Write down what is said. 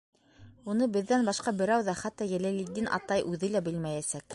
Уны беҙҙән башҡа берәү ҙә, хатта Йәләлетдин атай үҙе лә белмәйәсәк.